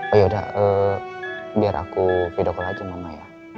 oh ya udah biar aku pidok pidok aja mama ya